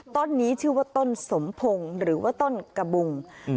ต้นนี้ชื่อว่าต้นสมพงศ์หรือว่าต้นกระบุง